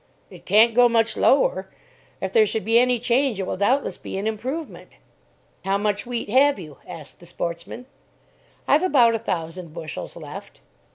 "It can't go much lower; if there should be any change, it will doubtless be an improvement." "How much wheat have you?" asked the sportsman. "I've about a thousand bushels left."